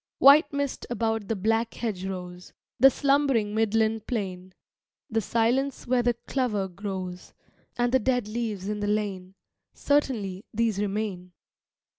White mist about the black hedgerows, The slumbering Midland plain, The silence where the clover grows, And the dead leaves in the lane, Certainly, these remain.